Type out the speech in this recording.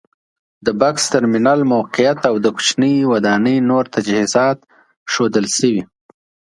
د بکس ترمینل موقعیت او د کوچنۍ ودانۍ نور تجهیزات ښودل شوي.